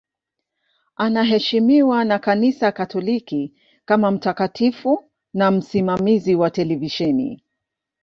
Anaheshimiwa na Kanisa Katoliki kama mtakatifu na msimamizi wa televisheni.